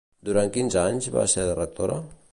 Durant quins anys va ser rectora?